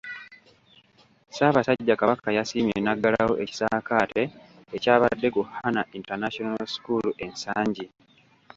Ssaabasajja Kabaka yasiimye n’aggalawo ekisaakaate ekyabadde ku Hana International School e Nsangi.